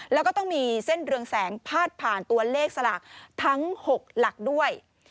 แล้วก็ต้องมีเส้นเรืองแสงพาดผ่านตัวเลขสลากทั้ง๖หลักด้วย